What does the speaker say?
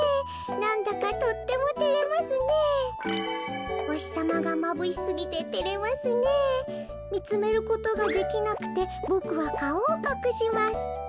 なんだかとってもてれますねえおひさまがまぶしすぎててれますねえみつめることができなくてボクはかおをかくします